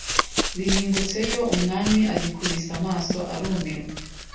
zihingutseyo umwami azikubise amaso arumirwa